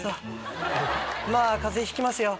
まぁ風邪ひきますよ。